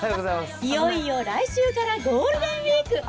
いよいよ来週からゴールデンウィーク。